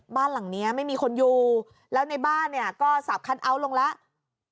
บ้านหลังนี้ไม่มีคนอยู่แล้วในบ้านเนี่ยก็สับคัทเอาท์ลงแล้ว